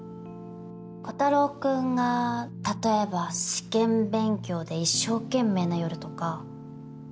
炬太郎くんが例えば試験勉強で一生懸命な夜とか。